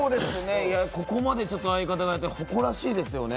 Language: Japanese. ここまで相方がやって誇らしいですよね。